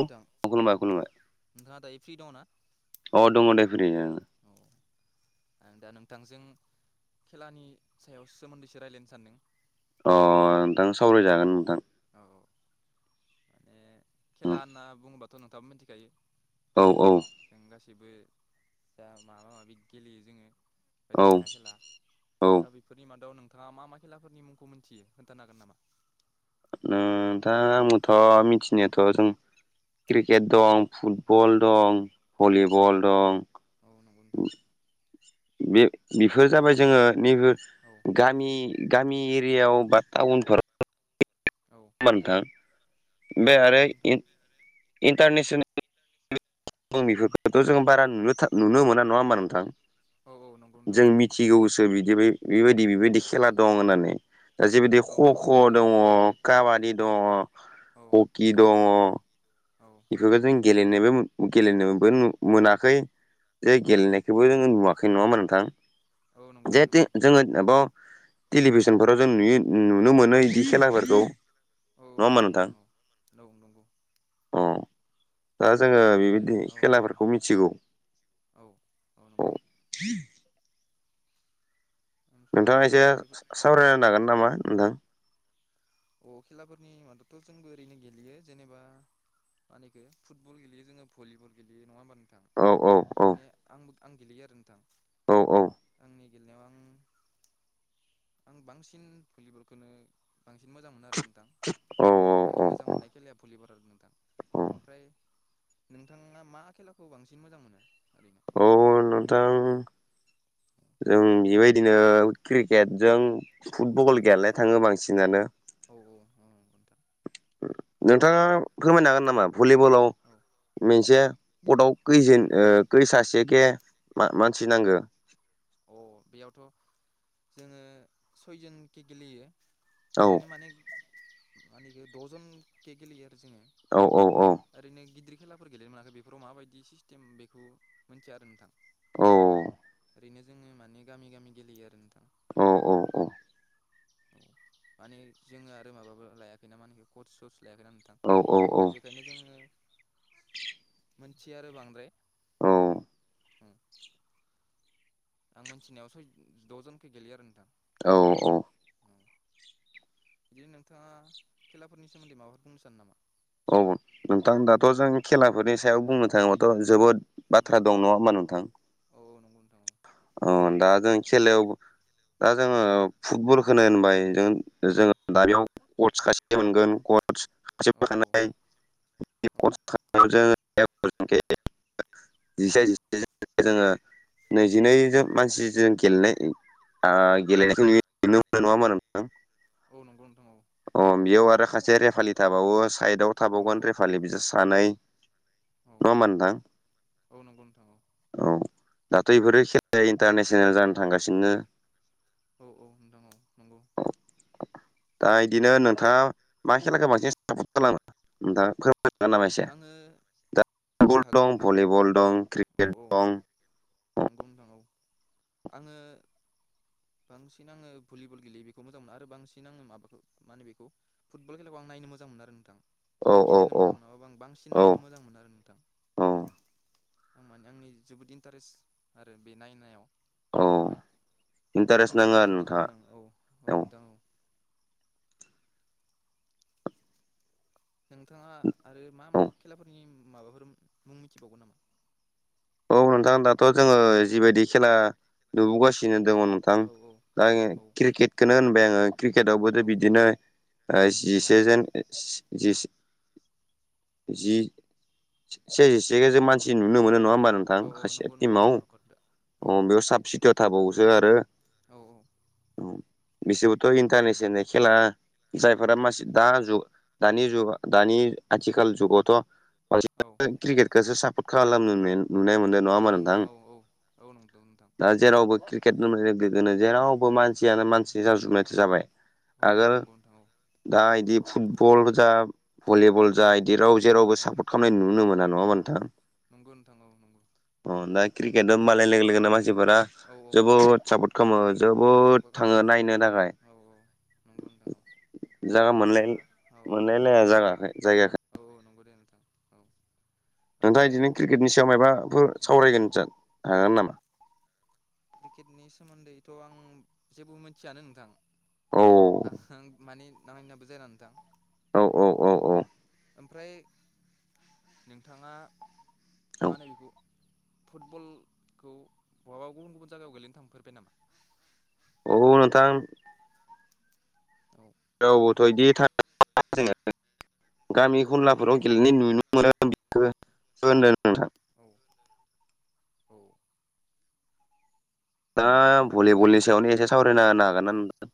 नोंथां खुलुमबाय नोंथाङा दायो फ्रि दङ ना खुलुमबाय अ दङ दे फ्रियैनो औ ओ दा नोंथांजों खेलानि सायाव सोमोन्दैसो रायज्लायनो सानदों अ नोंथां सावरायजागोन नोंथां औ माने उम खेला होनना बुङोबाथ' नोंथाङाबो मिथिखायो औ औ जों गासैबो जा माबा माबि गेलेयो जोङो औ बायदिसिना खेला औ दा बेफोरनि मादाव नोंथाङा मा मा खेलाफोरनि मुंखौ मिन्थियो खोनथानो हागोन नामा ओम दा आंबोथ' मिथिनायाथ' जों क्रिकेट दं औ फुटबल दं औ भलिबल दं औ नंगौ नोंथां बे-बेफोर जाबाय जोङो नैबो औ गामि गामि एरियायाव बा टाउनफोराव औ बा नोंथां औ बे औ आरो नंगौ नोंथां इन्टारनेसनेल [unintelligible] जों बारा नुनो मोना नङा होमबा नोंथां औ औ‌ नंगौ नोंथां औ फिगौसो बिदिबाय बेबायदि औ बेबायदि खेला दं होननानै दा जेबायदि औ क औ ख नंगौ दे दङ औ खाबादि दङ औ हकि नंगौ दङ। नोंथां औ बे जों गेलेनोबो गेलेनोबो मोनाखै जे औ औ गेलेनायखौबो नंगौ जों नोंथां नुवा खै ङाना होनबा‌ नोंथां औ नंगौ नोंथां जेहेथु औ जोङो माबाव टेलिभिसनफोराव जों नुयो नुनो मोनो औ इदि औ खेलाफोरखौ औ नङा होमबा नंगौ नोंथां? औ औ नंगौ। अ दा जोङो ओमफ्राय बेबायदि औ औ खेलाफोरखौ मिथिगौ औ औ। ओमफ्राय दा नोंथाङा एसे बेफोर औ सावरायनो हागोन नामा नोंथां? अ खेलाफोरनि मादावथ' जोंबो ओरैनो गेलेयो जेनेबा मा होनो इखौ फुटबल गेलेयो जोङो भलिबल गेलेयो नङा होमबा नों थां औ औ औ माने आंबो आं गेलेयो आरो नोंथां औ औ आंनि गेलेनायाव आं आं बांसिन भलि बलखौनो सिन मोजां मोनो आरो नोंथां औ आंनि औ मोजां मोननाय खेलाया भलिबल आरो नोंथां। औ ओमफ्राय नोंथाङा मा खेलाखौ बांसिन मोजां मोनो ओरैनो? औ नोंथां। जों बेबायदिनो क्रिकेटजों औ फुटबल गेलेनो थाङो बांसिनानो। औ औ उम नोंथां नोंथाङा फोरमायनो हागोन नामा भलि बलाव औ मोनसे पटआव औ खैजोन ओ खै सासेखे मा-मानसि नांगो? अ बेयावथ' जोङो सयजनखि गेलेयो। औ ओरैनो माने मानेखि द'जन केे गेलेयो आरो जोङो। औ औ औ ओरैनो गिदिर खेलाफोर गेलेनो मोनाखै बेफोराव माबायदि सिस्टेम बेखौ मिथिया आरो नोंथां। औ ओरैनो जोङो माने गामि गामि गेलेयो आरो नोंथां। औ औ औ माने जोङो आरो माबाबो लायाखै ना मा होनो कस सस लायाखैना नों थां औ दा बेखायनो जोङो मोनथियो आरो बांद्राय औ ओम आं मोनथिनायाव सय द'जनखौ गेलेयो आरो नोंथां। औ औ ओं बिदि नोंथाङा खेलाफोरनि सोमोन्दै माबाफोर बुंनो सानो नामा? औ नोंथां दाथ' जों खेलाफोरनि सायाव बुंनो थाङोब्लााथ' जोबोद बाथ्रा दं नङा होमबा नोंथां? औ नंगौ नोंथां। औ दा जों खेलायाव दा जोङो फुटबलखौनो होनबाय जों औ जों दानियाव कचस खासे मोनगोन कस औ औ [unintelligible] जिसे जिसेजों जोङो औ नैजिनैजों मानसि जों गेलेनाय ओ गेलेनायखौ नुयो नुनो मोनो नङा होमबा नोंथां? औ नंगौ नोंथां औ। अ बेयाव आरो खासे रेफालि थाबावो साइदआव औ थाबावगोन रेपालि बिसोर सानै औ नङा होमबा नोंथां औ नंगौ नोंथां औ। औ दाथ' इफोरो खेलाया इन्टारनेसनेल जानो थांगासिनो। औ औ नोंथां औ नंगौ। औ औ। दा इदिनो नोंथाङा मा खेलाखौ बांसिन सापर्ट खालाङो? नोंथाङा फोरमाय हागोन नामा एसे? आङो दा औ फुटबल हागोन दं, नोंथां भलिबल दं, औ क्रिकेट औ दं नंगौ नोंथां औ। आङो बांसिन आङो भुलिबल गेलेयो, बेखौ मोजां मोनो आरो बांसिन आङो माबाखौ मा होनो बेखौ फुटबल खेलाखौ आं नायनो मोजां मोनो आरो नोंथां। औ माने औ गेलेनो औ मोजां मोनाबाबो आं बांसिन औ नायनो मोजां मोनो आरो नोंथां। औ आं माने आंनि जोबोद इन्टारेस्ट आरो बे नायनायाव औ नायनो थाखाय। इन्टारेस्ट फुटबलखौ नाङो आरो बांसिन मोजां नोंथाङा मोनो आं। औ औ नोंथां औ। नोंथाङा आरो मा औ मा खेलाफोरनि माबाफोर मुं मिथिबावगोन नामा? औ नोंथां दाथ' जोङो जिबायदि खेला नुबोगासि दिनो दङ नोंथां औ औ दा आङो औ क्रिकेटखौनो होनबाय आङो क्रिकेट आवबोथ' औ बिदिनो ओ औ जिसेजोन जि-सि-जि जि सेजिसे मानसि नुनो मोनो नङा होमबा नो थां औ खासेया नंगौ नंगौ औ टिमाव नंगौ नोंथां औ अ बेयाव साब सिटियाव थाबावोसो आरो औ औ। बिसोरबोथ' इन्टारनेसेल खेला जायफोरा मानसि दा जुग दानि जुग दानि आथिखाल जुगावथ' मा औ। क्रिकेटखौसो सापर्ट खालामनाय नुनाय मोनो। खालामो नोंथां औ औ औ नंगौ नोंथां। दा जेरावबो क्रिकेट होनबाथाय बिदिनो जेरावबो मानसियानो मानसि जाजोबनाय जाबाय। औ औ आगोल नंगौ नोंथां औ दा इदि फुटबल जा भलिबल जा बिदि राव जेरावबो औ सापर्ट खालामनाय नुनोनो मोना नङा होनबा नोंथां? नंगौ नोंथां औ नंगौ। औ दा क्रिकेट होनबालाय लोगो लोगोनो मानसिफोरा औ जोबोद सापर्ट खालामो औ जोबोद सापर्ट खालामो थाङो नोंथां नायनो थाखाय। औ नंगौ नोंथां औ जा दा मोनलाय औ मोनलायलाया जागा जायगाखो। औ नंगौ दे नोंथां औ। नोंथाङा ओमफ्राय इदिनो क्रिकेटनि सायाव मायाबाफोर औ सावरायगोन जा हागोन नामा? क्रिकेटनि सोमोन्दैथ' आं जेबो मिथियानो नोंथां। औ आं माने नायनायाबो जाया नोंथां। औ औ औ औ ओमफ्राय नोंथाङा मा होनो बेखौ फुटबलखौ बहाबा गुबुन गुबुन जायगायाव गोेलेनो थांफेरबाय नामा? औ नोंथां औ औथ' बिदि थाङा जोङो गामि औ खनलाफोराव गेलेनाय नुनो मोनो नोंथां। औ औ दा माने भलिबलनि गामिफोराव सायावनो गेलेयो एसे आरो न' सावरायना नोंथां होनो हागोन ना औ नोंथां?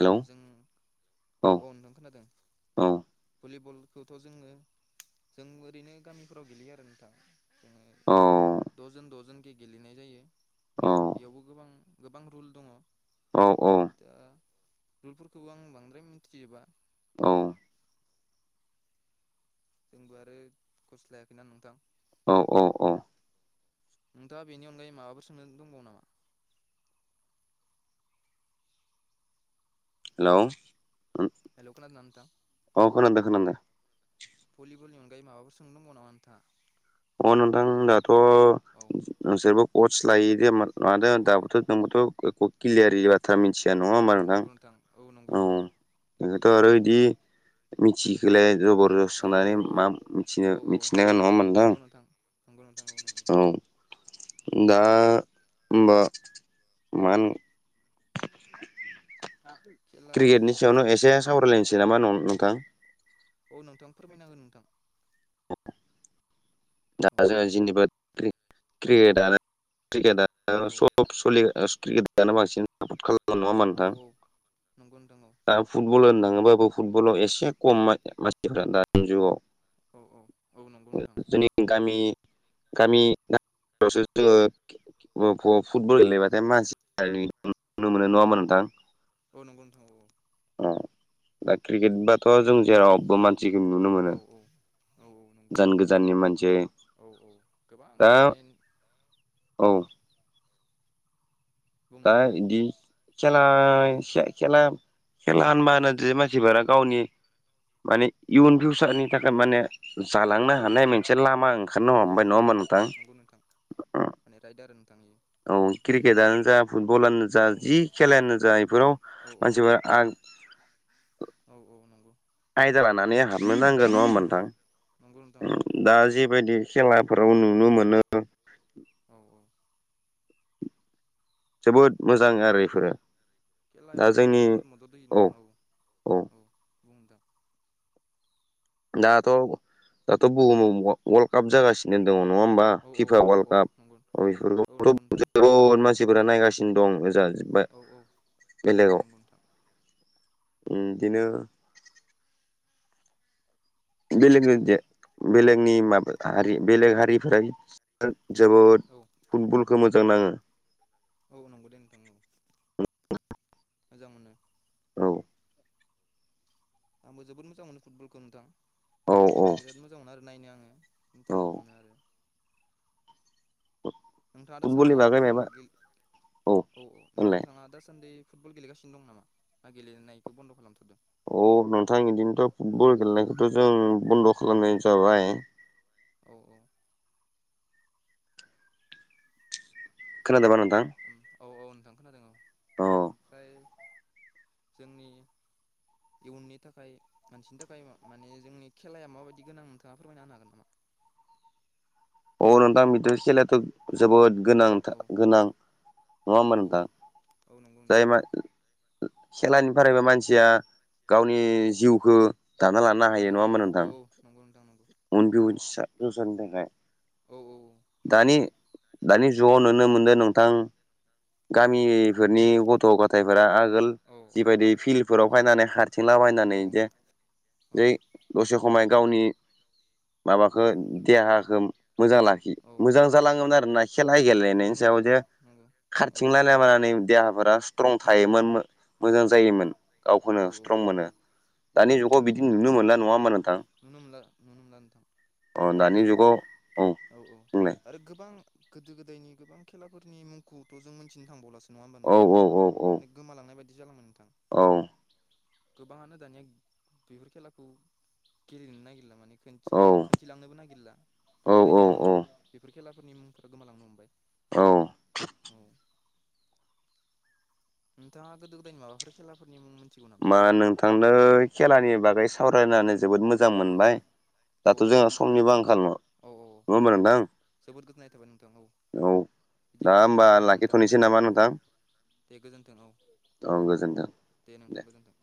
औ जों औ औ नोंथां खोनादों। औ भलिबलखौथ' जोङो जोंबो ओरैनो गामिफोराव गेलेयो आरो नोंथां। जोङो औ द'जन द'जनखि गेलेनाय जायो औ बेयावबो गोबां गोबां रुल दङ औ दा रुलफोरखौबो आं बांद्राय मिथिजोबा औ जोंबो आरो खस' लायाखैना नोंथां? औ औ औ। नोंथाङा बेनि अनगायै माबाफोर सोंनो दंबावो नामा? हेलौ। हेलौ खोनादों ना नोंथां? अ खोनादों खोनादों भलिबलनि अनगायै माबाफोर सोंनो दंबावो नामा नोंथाङा? अ नोंथां दाथ' औ जेबो कच लायो दे मानो औ औ दाबोथ' [inaudible] बाथ्रा मिथिया नङा औ होनोमबा औ नोंथां नंगौ नंगौ औ नोंथां बेखौथ' आरो औ बिदि मिथिहोलाया जबर जस औ औ सोंनानै मा मिथिनो औ औ मिथिनाया नङा होमबा नोंथां? नंगौ नंगौ नोंथां नंगौ औ दा होमबा मा होन खेला क्रिकेटनि सायावनो होनोब्लाथ' एसे सावरायलायनोसै नामा नोंथां? औ नोंथां फोरमायना हो नोंथां। दा जोङो जनबा क्रियेदा क्रिकेट आ औ सब सलियो क्रिकेट आनो बांसिन सप खालामो नङा होमबा औ नोंथां। औ नंगौ नोंथां औ। दा फुटबल होननो थाङोबाबो फुटबलाव एसे खम मानसिफोरा दानि जुगाव। औ औ औ नंगौ नोंथां जोंनि गामि गामि गामिफ्रावसो जोङो फुटबल गेलेबाथाय मानसि नुनो मोनो नङा होमबा नोंथां? औ नंगौ नोंथां औ औ। अ दा क्रिकेट बाथ' जों जेरावबो मानसिखौ नुनो औ मोनो। औ औ नंगौ गोजान नोंथां गोजाननि मानसि औ औ गोबां दा माने औ बुं दा नोंथां औ बिदि खेला औ खेला खेला होनबानोदि जि मानसिफोरा गावनि माने इयुन फिउसारनि थाखाय माने जालांनो औ औ हानाय औ मोनसे लामा ओंखारनो नंगौ हमबाय नंगौ नङा होमबा नंगौ नोंथां? नंगौ नोंथां। माने राइड आरो नोंथां इयो। औ नंगौ क्रिकेटानो जा फुटबलानो जा औ जि खेलायानो जा बेफोराव औ मानसिफोरा। औ औ नंगौ। आयदा लानानै हाबनो नांगोन नङा औ होमोनथां। नंगौ नोंथां औ दा जेबायदि खेलाफोराव नुनो मोनो। औ औ। जोबोद मोजां आरो बेफोरो। खेलायाबो जोंनो जोबोद मदद होयो नोंथाङा औ औ बुंनोंथां। दाथ' दाथ' बुहुम वर्ल्ड काप जागासिनो। दङ नङा होमबा औ औ फिफा नंगौ वार्ल्ड औ काप नंगौ औ बेफोरखौथ' नंगौ नोंथां जोबोद मानसिफोरा नायगासिनो। दं ओजा जोबाय औ औ औ बेलेगाव नंगौ नोंथां उम बिदिनो। बेलेग बेलेगनि माबा हारि बेलेग हारिफोरा। जोबोद औ फुटबलखौ मोजां नाङो। औ नंगौ दे नोंथां औ मोजां मोनो। औ। आंबो जोबोद मोजां मोनो फुटबलखौ नोंथां औ औ बिराद मोजां। मोजां मोनो आरो नायनो आङो औ इन्टारेस्ट मोनो आरो। नोंथाङा दासान्दि फुटबलनि बागै फुटबल माबा गेल औ औ होनलाय नोंथाङा दासान्दि। फुटबल गेलेगासिनो दं नामा ना गेलेनायखौ बन्द' खालामथारदों। अ नोंथां बिदिनोथ' फुटबल गेलेनायखौथ' जों बन्द' औ खालामनाय जाबाय। औ औ खोनादोंना नोंथां औ औ नोंथां खोनादों औ औ ओमफ्राय जोंनि इयुननि थाखाय। मानसिनि थाखाय माने जोंनि खेलाया माबायदि गोनां नोंथाङा फोरमायनाांनो हागोन नामा। अ नोंथां बेथ खेलायथ। गोनांथ औ नङा औ होमबा नोंथां औ नंगौ जाय नोंथां खेलानिफ्राय मानसिआ। गावनि औ जिउखौ दाना लानो हायो दानो नङा होमबा औ नोंथां औ नंगौ नोंथां नंगौ अन बिनसा जौसानि थाखाय। औ औ। नंगौ दानि नोंथां दानि जुगाव नुनो मोनदों नोंथां औ औ गामि नि गथ' गथायफोरा आगोल औ औ जिबायदि औ फिल्फोराव फायनानै हारथिंला औ बायनानैे औ जै। दसे समाय गावनि औ माबाखौ देहाखौ मोजां लाखि औ मोजां मोजां जालाङोमोन आरोना खेला नंगौ गेलेनायनि नंगौ सायाव जे नंगौ नंगौ औ नोंथां खारथिंलायलाब देहाफोरा स्ट्रं उम थायोमोन औ मोजां औ जायोमोन गावखौनो औ स्ट्रं मोनो दानि औ जुगाव बिदि नुनो मोनला नङा होमा नोंथां। नुनो मोनला नुनो मोनला नोंथां अ आरो दानि जुगाव औ। औ औ बुंलाय आरो गोबां गोदो गोदायनि गोबां खेलाफोरनि मुंखौथ' जों मोनथिनो थांबावलासो। नङा होमबा औ नोंथां औ औ औ माने गोमालांनाय बायदि जालांन नोंथां। औ। गोबाङानो दानिया बेफोर खेलाखौ गेलेनो नागिरला माने। औ खोनन्थिलांनोबो नागिरला औ जायनि औ जाहोनाव औ बेफोर खेलाफोरनि मुंफोरा गोमालांनो हमबाय औ उम। नोंथाङा गोदो गोदायनि माबाफोर खेलाफोरनि मुं मोनथिगौ नामा? मा नोंथांनो खेलानि बागै सावरायनानै जोबोद मोजां औ औ मोनबाय औ दाथ' औ जोङो समनिबो आंखाल नङा औ औ होमबा नोंथां जोबोद गोजोननाय थाबाय नोंथां औ। दा बिदिब्ला होमबा लाखिथ'नोसै नामा नोंथां? बे गोजोन्थों औ। औ गोजोन्थों। दे नोंथां गोजोनथों।